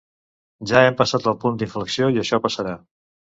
Ja hem passat el punt d’inflexió i això passarà.